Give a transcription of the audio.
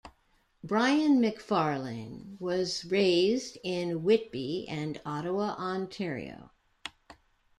Brian McFarlane was raised in Whitby and Ottawa Ontario.